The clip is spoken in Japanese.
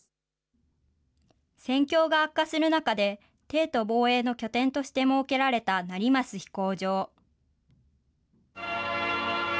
戦況が悪化する中で、帝都防衛の拠点として設けられた成増飛行場。